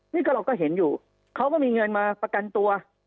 นี่ก็เราก็เห็นอยู่เขาก็มีเงินมาประกันตัว